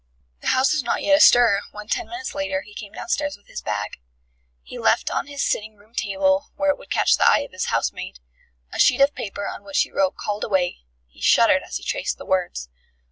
The house was not yet astir, when ten minutes later he came downstairs with his bag. He left on his sitting room table, where it would catch the eye of his housemaid, a sheet of paper on which he wrote "Called away" (he shuddered as he traced the words).